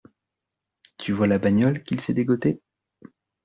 Tu vois la bagnole qu’il s’est dégotée ?